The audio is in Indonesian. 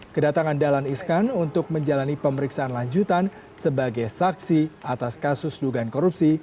kedatangan dalan iskan untuk menjalani pemeriksaan lanjutan sebagai saksi atas kasus dugaan korupsi